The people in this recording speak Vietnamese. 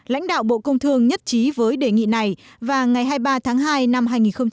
lãnh đạo bộ công thương nhất trí với đề nghị này và ngày hai mươi ba tháng hai năm hai nghìn hai mươi